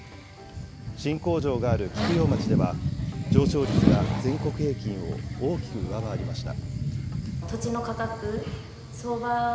新工場がある菊陽町では、上昇率が全国平均を大きく上回りました。